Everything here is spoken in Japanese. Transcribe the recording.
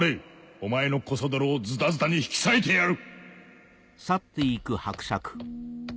お前のコソ泥をズタズタに引き裂いてやる！